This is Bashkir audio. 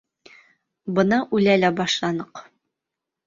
Бына үлә лә башланыҡ.